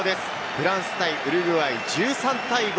フランス対ウルグアイ、１３対５。